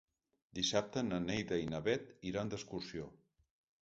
Dissabte na Neida i na Bet iran d'excursió.